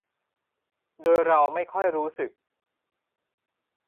โดยเราไม่ค่อยรู้สึก